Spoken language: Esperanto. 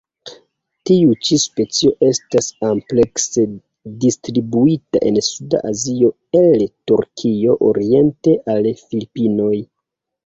Tiu ĉi specio estas amplekse distribuita en suda Azio el Turkio oriente al Filipinoj.